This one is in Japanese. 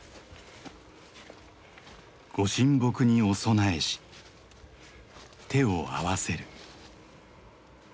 ご神木にお供えし手を合わせる。